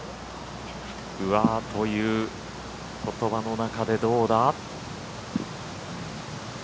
うわーという言葉の中でどうだ。